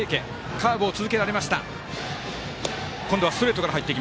カーブを続けられました。